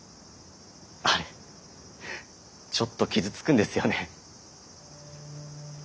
あれちょっと傷つくんですよね。